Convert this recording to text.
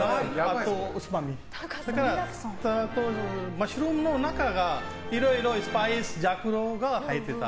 マッシュルームの中がいろいろスパイスザクロが入ってた。